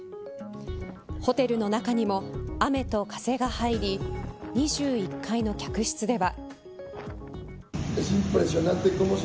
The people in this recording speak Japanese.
ホテルの中にも雨と風が入り２１階の客室では。